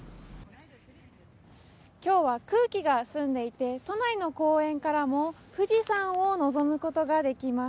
今日は空気が澄んでいて都内の公園からも富士山を望むことができます。